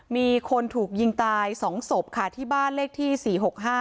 มีคนถูกยิงตายสองศพค่ะที่บ้านเลขที่สี่หกห้า